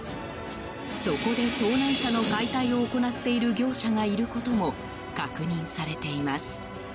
そこで盗難車の解体を行っている業者がいることも確認されています。